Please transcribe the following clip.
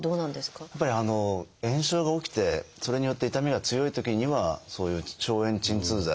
炎症が起きてそれによって痛みが強いときにはそういう消炎鎮痛剤。